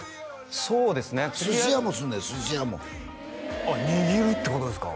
そうですね寿司屋もするねん寿司屋もあっ握るってことですか？